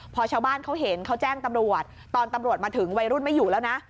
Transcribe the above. พอชาวบ้านเขาเห็นเขาแจ้งตำรวจตอนตำรวจมาถึงวัยรุ่นไม่อยู่แล้วนะ